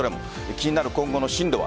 気になる今後の進路は。